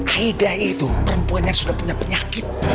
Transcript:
aida itu perempuan yang sudah punya penyakit